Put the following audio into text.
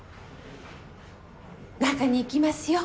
中に行きますよ。